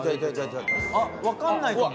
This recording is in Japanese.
あっ分かんないかも。